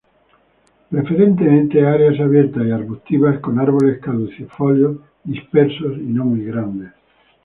Preferentemente áreas abiertas y arbustivas con árboles caducifolios dispersos y no muy grandes.